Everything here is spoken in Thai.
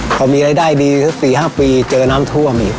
พอมีรายได้ดี๔๕ปีเจอน้ำท่วมอีก